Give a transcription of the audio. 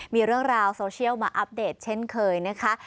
มีเรื่องราวโซเชียลมาอัปเดตเช่นเคยนะคะ